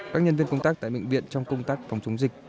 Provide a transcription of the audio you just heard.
các nhân viên công tác tại bệnh viện trong công tác phòng chống dịch